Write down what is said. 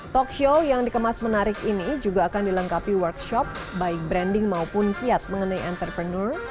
talk show yang dikemas menarik ini juga akan dilengkapi workshop baik branding maupun kiat mengenai entrepreneur